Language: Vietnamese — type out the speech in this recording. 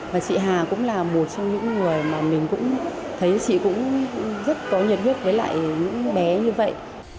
và chị hà cũng là một trong những người mà mình cũng thấy chị cũng rất có nhiệt huyết với lại những bé như vậy